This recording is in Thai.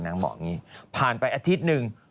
นางหมอกี้ผ่านไปอาทิตย์หนึ่ง